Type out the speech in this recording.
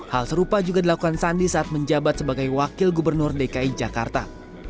hal serupa juga dilakukan sandi saat menjabat sebagai wakil gubernur dki jakarta